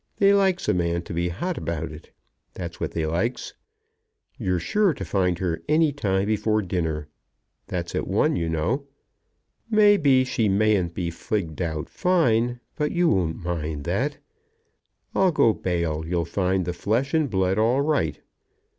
They likes a man to be hot about it; that's what they likes. You're sure to find her any time before dinner; that's at one, you know. May be she mayn't be figged out fine, but you won't mind that. I'll go bail you'll find the flesh and blood all right.